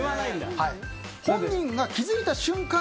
本人が気づいた瞬間